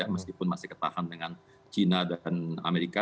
meskipun masih ketahan dengan china dan amerika